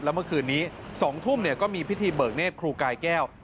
แล้วเมื่อคืนนี้๒ทุ่มก็มีพิธีเบิกเนธครูกายแก้ว